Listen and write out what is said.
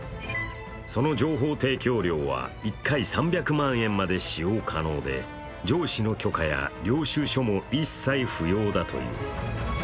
その情報提供料は１回３００万円まで使用可能で上司の許可や領収書も一切不要だという。